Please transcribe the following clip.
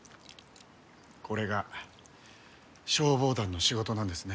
これが消防団の仕事なんですね。